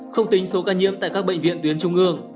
không tính số ca nhiễm tại các bệnh viện tuyến trung ương